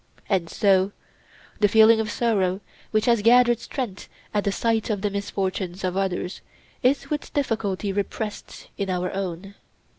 And so the feeling of sorrow which has gathered strength at the sight of the misfortunes of others is with difficulty repressed in our own.